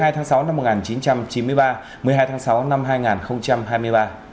hai mươi tháng sáu năm một nghìn chín trăm chín mươi ba một mươi hai tháng sáu năm hai nghìn hai mươi ba